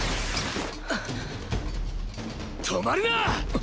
止まるな！！